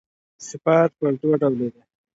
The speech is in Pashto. صفات پر دوه ډوله دي.